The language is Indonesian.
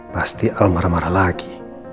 pasti al marah marah lagi